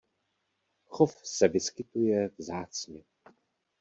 Chov se vyskytuje vzácně.